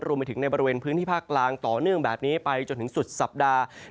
รวมไปถึงในบริเวณพื้นที่ภาคกลางต่อเนื่องแบบนี้ไปจนถึงสุดสัปดาห์